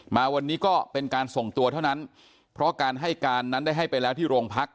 มาวันนี้ก็เป็นการส่งตัวเท่านั้นเพราะการให้การนั้นได้ให้ไปแล้วที่โรงพัก